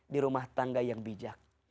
di rumah tangga yang bijak